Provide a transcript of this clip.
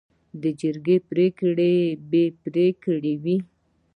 د جرګې پریکړه بې پرې وي.